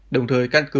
đồng thời căn cứ